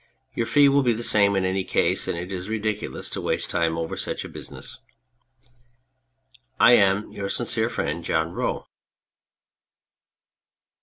Your fee will be the same in any case, and it is ridiculous to waste time over such business. I am, Your sincere friend, JOHN ROE.